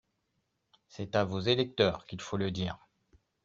C’est à vos électeurs qu’il faut le dire